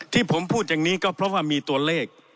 ที่ผมพูดอย่างนี้ก็เพราะว่ามีตัวเลข